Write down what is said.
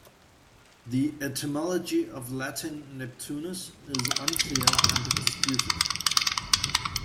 The etymology of Latin Neptunus is unclear and disputed.